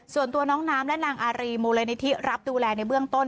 ส่วนตัวน้องน้ำและนางอารีมูลนิธิรับดูแลในเบื้องต้น